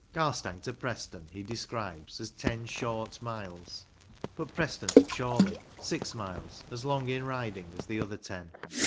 Garstang to Preston he describes as ten short miles; but Preston to Chorley, six miles, as long in riding as the other ten.